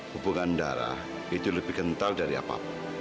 hubungan darah itu lebih kental dari apapun